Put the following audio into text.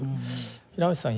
平藤さん